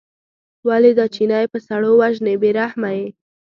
ولې دا چینی په سړو وژنې بې رحمه یې.